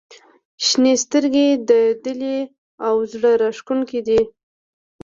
• شنې سترګې د دلې او زړه راښکونکې دي.